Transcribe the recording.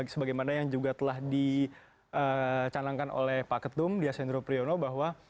sebagaimana yang juga telah dicanangkan oleh pak ketum diasendro priyono bahwa